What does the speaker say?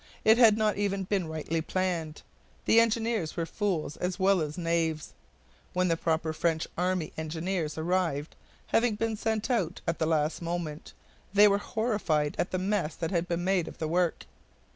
It had not even been rightly planned. The engineers were fools as well as knaves. When the proper French army engineers arrived, having been sent out at the last moment, they were horrified at the mess that had been made of the work.